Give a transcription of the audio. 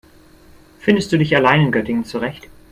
Findest du dich allein in Göttingen zurecht?